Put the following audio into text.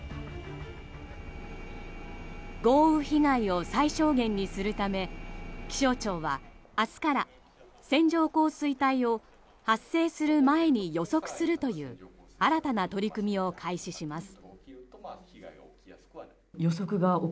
豪雨被害を最小限にするため気象庁は明日から線状降水帯を発生する前に予測するという新たな取り組みを開始します。